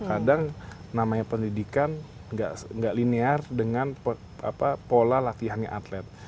kadang namanya pendidikan nggak linear dengan pola latihannya atlet